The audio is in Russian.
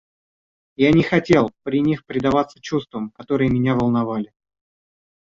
Я не хотел при них предаваться чувствам, которые меня волновали.